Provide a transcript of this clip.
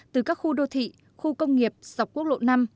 từ các khu đô thị khu công nghiệp dọc quốc lộ năm